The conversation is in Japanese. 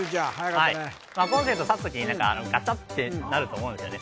はいコンセント挿す時に何かあのガチャってなると思うんですよね